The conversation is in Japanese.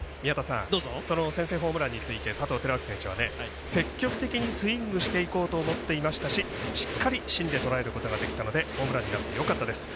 その先制ホームランについて佐藤輝明選手は積極的にスイングしていこうと思っていましたししっかり芯でとらえることができたのでホームランになってよかったですと。